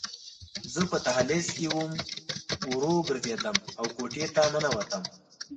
زه په دهلیز کې ورو ګرځېدم او کوټې ته ننوتم